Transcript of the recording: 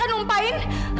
pasti kamu sengaja kan